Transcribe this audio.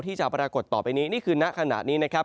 ที่จะปรากฏต่อไปนี้นี่คือณขณะนี้นะครับ